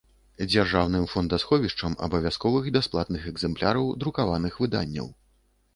Дзяржаўным фондасховiшчам абавязковых бясплатных экзэмпляраў друкаваных выданняў.